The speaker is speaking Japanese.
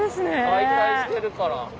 解体してるから。